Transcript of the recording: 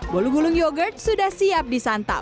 bolu gulung yogurt sudah siap disantap